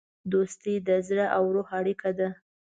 دوستي د زړه او روح اړیکه ده.